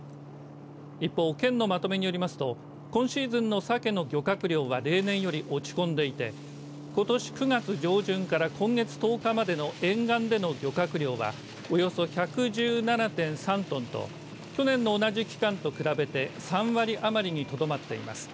一方、県のまとめによりますと今シーズンのサケの漁獲量は例年より落ち込んでいてことし９月上旬から今月１０日までの沿岸での漁獲量はおよそ１１７．３トンと去年の同じ期間と比べて３割余りにとどまっています。